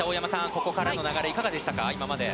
ここからの流れいかがでしたか今まで。